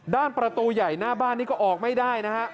ด้านประตูใหญ่หน้าบ้านนี้ก็ออกไม่ได้นะฮะ